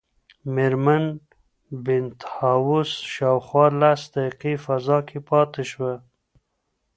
مېرمن بینتهاوس شاوخوا لس دقیقې فضا کې پاتې شوه.